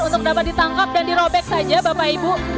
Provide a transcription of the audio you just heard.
untuk dapat ditangkap dan dirobek saja bapak ibu